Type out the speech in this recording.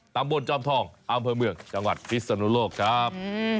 ตำบลจอมทองอำเภอเมืองจังหวัดพิศนุโลกครับ